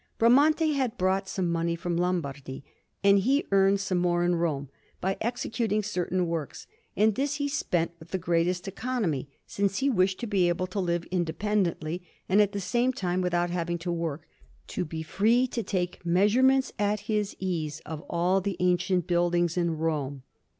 Bramante had brought some money from Lombardy, and he earned some more in Rome by executing certain works; and this he spent with the greatest economy, since he wished to be able to live independently, and at the same time, without having to work, to be free to take measurements, at his ease, of all the ancient buildings in Rome.